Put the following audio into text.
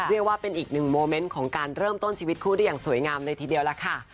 เรียกว่าเป็นอีกหนึ่งโมเมนต์ของการเริ่มต้นชีวิตคู่ได้อย่างสวยงามเลยทีเดียวล่ะค่ะ